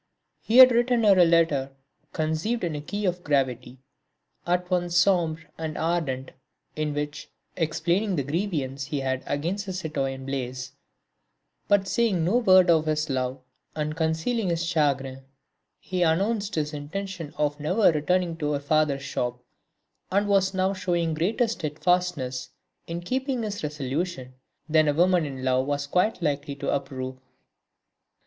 He had written her a letter conceived in a key of gravity, at once sombre and ardent, in which, explaining the grievance he had against the citoyen Blaise, but saying no word of his love and concealing his chagrin, he announced his intention of never returning to her father's shop, and was now showing greater steadfastness in keeping this resolution than a woman in love was quite likely to approve.